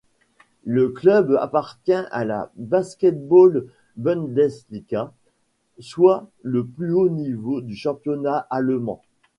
Le club appartient à la Basketball-Bundesliga soit le plus haut niveau du championnat allemand.